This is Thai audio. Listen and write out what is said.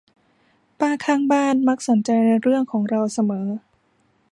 ป้าข้างบ้านมักสนใจเรื่องของเราเสมอ